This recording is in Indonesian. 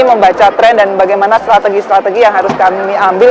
membaca tren dan bagaimana strategi strategi yang harus kami ambil